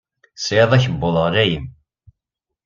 Tesɣiḍ akebbuḍ ɣlayen.